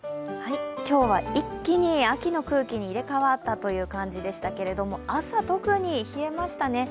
今日は一気に秋の空気に入れ代わったという感じでしたが朝、特に冷えましたね